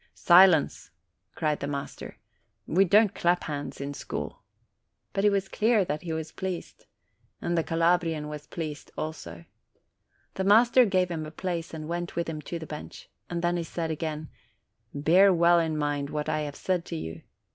''Si lence!" cried the master; "we don't clap hands in school!" But it was clear that he was pleased. And the Calabrian was pleased also. The master gave him a place, and went with him to the bench. Then he said again :* "Bear well in mind what I have said to you.